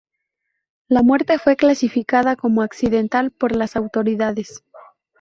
La muerte fue clasificada como accidental por las autoridades.